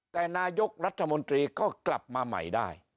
แต่นายกรัฐมนตรีก็กลับมาใหม่ได้